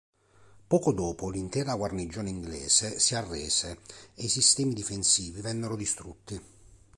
Poco dopo l'intera guarnigione inglese si arrese e i sistemi difensivi vennero distrutti.